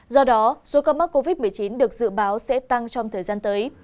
do đó số ca mắc covid một mươi chín được dự báo sẽ tăng trong thời gian tới